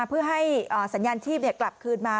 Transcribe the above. เพื่อให้สัญญาณที่เนี่ยกลับคืนมา